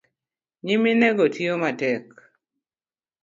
Nyiminego tiyo matek